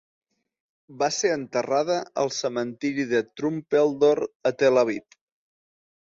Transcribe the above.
Va ser enterrada al cementiri de Trumpeldor, a Tel Aviv.